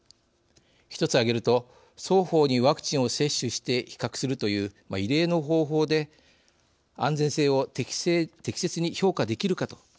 一つ挙げると双方にワクチンを接種して比較するという異例の方法で安全性を適切に評価できるかという点です。